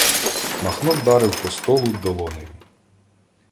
Махно вдарив по столу долонею: